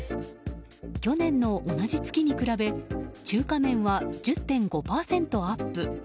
去年の同じ月に比べ中華麺は１０．５％アップ。